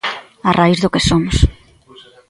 A raíz do que somos.